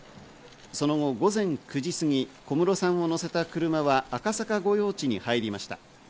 その後、午前９時すぎ、小室さんを乗せた車は赤坂御用地に入りました。